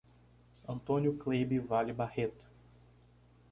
Antônio Cleibe Vale Barreto